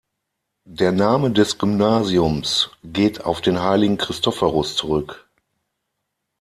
Der Name des Gymnasiums geht auf den Heiligen Christophorus zurück.